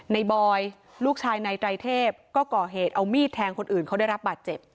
บอยลูกชายในไตรเทพก็ก่อเหตุเอามีดแทงคนอื่นเขาได้รับบาดเจ็บ